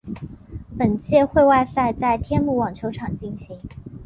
本届会外赛在天母网球场进行。